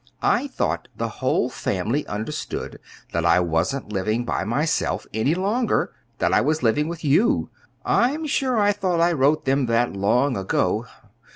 I thought the whole family understood that I wasn't living by myself any longer that I was living with you. I'm sure I thought I wrote them that, long ago.